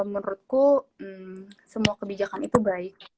menurutku semua kebijakan itu baik